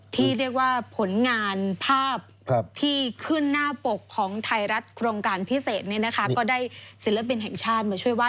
ที่เรียกว่าผลงานภาพที่ขึ้นหน้าปกของไทยรัฐโครงการพิเศษเนี่ยนะคะก็ได้ศิลปินแห่งชาติมาช่วยไห